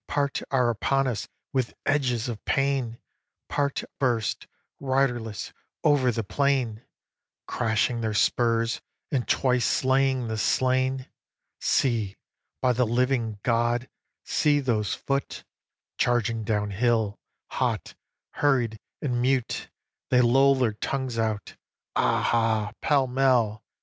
Part are upon us, with edges of pain; Part burst, riderless, over the plain, Crashing their spurs, and twice slaying the slain. See, by the living God! see those foot Charging down hill hot, hurried, and mute! They loll their tongues out! Ah hah! pell mell!